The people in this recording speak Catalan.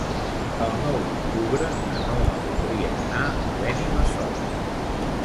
El nou d'octubre na Noa voldria anar a Benimassot.